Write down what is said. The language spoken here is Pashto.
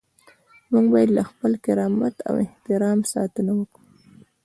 موږ باید له خپل کرامت او احترام ساتنه وکړو.